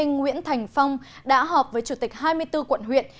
nguyễn thành phong đã họp với chủ tịch hai mươi bốn quận huyện